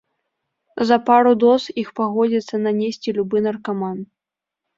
За пару доз іх пагодзіцца нанесці любы наркаман.